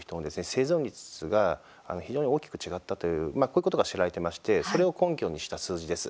生存率が非常に大きく違ったというこういうことが知られてましてそれを根拠にした数字です。